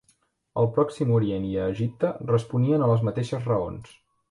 Al Pròxim Orient i a Egipte responien a les mateixes raons.